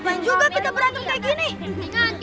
kamu tidak akan keluarkan ayahmu